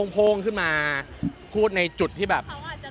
โพ่งขึ้นมาพูดในจุดที่แบบ